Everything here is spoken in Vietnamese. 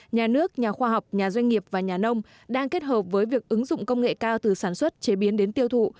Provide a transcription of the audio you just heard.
nhà nước nhà khoa học nhà doanh nghiệp và nhà nông đang kết hợp với việc ứng dụng công nghệ cao từ sản xuất chế biến đến tiêu thụ